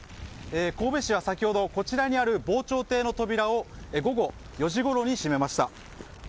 神戸市は先ほどこちらにある防潮堤の扉を午後４時ごろに閉めました。